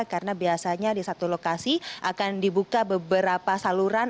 karena biasanya di satu lokasi akan dibuka beberapa saluran